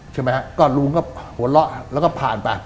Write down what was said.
ใช่มั้ยก่อนรู้ผมก็หวนล่ะแล้วก็ผ่านไป